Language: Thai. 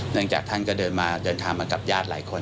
เนื่องจากท่านก็เดินทางมากับญาติหลายคน